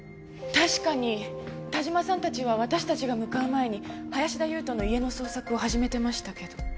確かに但馬さんたちは私たちが向かう前に林田悠斗の家の捜索を始めてましたけど。